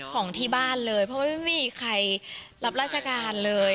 ของที่บ้านเลยเพราะว่าไม่มีใครรับราชการเลย